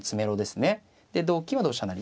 で同金は同飛車成。